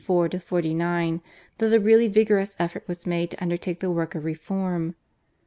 (1534 49) that a really vigorous effort was made to undertake the work of reform.